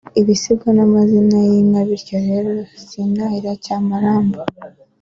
ibisigo n’amazina y’inka bityo rero sintahira cyamaramba